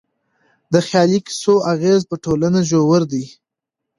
د خيالي کيسو اغېز په ټولنه ژور دی.